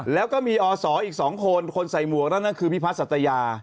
แล้วก็มีออสออีกสองคนคนใส่หมวกนั่นน่ะคือไปพระสัตยา